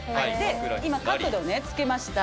今、角度つけました。